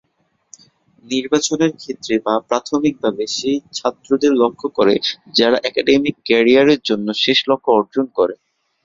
নির্বাচনের ক্ষেত্রে বা প্রাথমিকভাবে সেই ছাত্রদের লক্ষ্য করে যারা একাডেমিক ক্যারিয়ারের জন্য শেষ লক্ষ্য অর্জন করে।